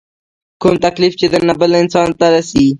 کوم تکليف چې درنه بل انسان ته رسي